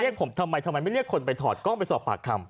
เรียกผมทำไมทำไมไม่เรียกคนไปถอดกล้องไปสอบปากคำ